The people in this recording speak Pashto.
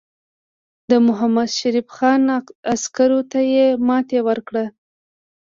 د محمدشریف خان عسکرو ته یې ماته ورکړه.